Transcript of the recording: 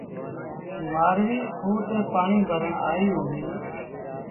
مآرويٚ کوه تي پآڻيٚ ڀرڻ آئيٚ هُݩديٚ۔